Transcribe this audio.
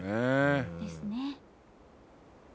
ですね。